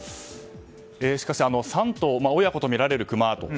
しかし、３頭親子とみられるクマ。